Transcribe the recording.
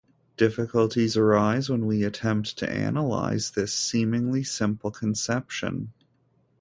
Difficulties arise when we attempt to analyze this seemingly simple conception.